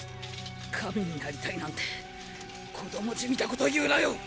神になりたいなんて子どもじみたこと言うなよ。